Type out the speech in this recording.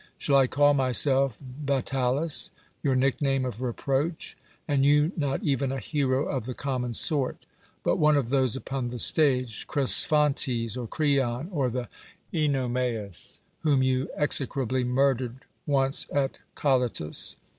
Shall I call myself Batalus, your nickname of reproach, and you not even a hero of the common sort, but one of those upon the stage, Cresphontes or Creon, or the CEnomaus whom you execrably murdered once at Colyttus?